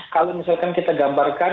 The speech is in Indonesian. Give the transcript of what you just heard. kalau misalkan kita gambarkan